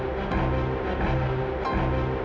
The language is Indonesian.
ibu aku ingin meng sewing posting terus